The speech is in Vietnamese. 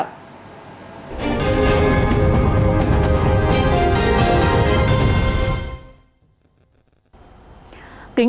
chào các bạn